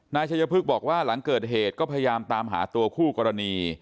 นายชัยพฤกษ์บอกว่าหลังเกิดเหตุก็พยายามตามหาตัวคู่กรณี